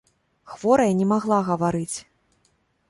Хворая не магла гаварыць.